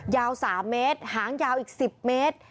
ยาว๓เมตรหางยาวอีก๑๐เมตร